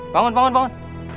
bangun bangun bangun